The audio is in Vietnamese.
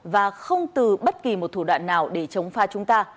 và không từ bất kỳ một thủ đoạn nào để chống pha chúng ta